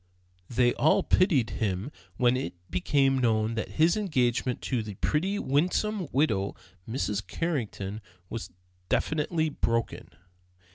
They all pitied him when it became known that his engagement to the pretty winsome widow, Mrs. Carrington, was definitely broken.